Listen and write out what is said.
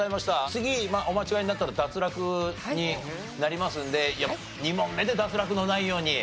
次お間違えになったら脱落になりますので２問目で脱落のないように。